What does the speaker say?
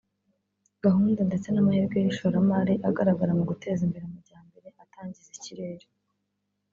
gahunda ndetse n’amahirwe y’ishoramari agaragara mu guteza imbere amajyambere atangiza ikirere